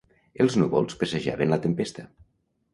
Els núvols presagiaven la tempesta.